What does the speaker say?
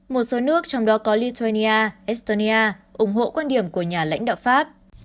một số nước trong đó có italia estonia ủng hộ quan điểm của nhà lãnh đạo pháp